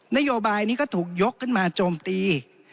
นโยบายนี้ก็ถูกยกขึ้นมาโจมตี